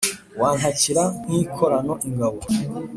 wantakira nkikorana ingabo.